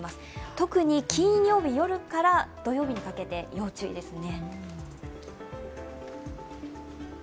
特に金曜日夜から土曜日にかけて要注意ですね。